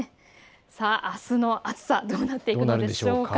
あすの暑さどうなっていくんでしょうか。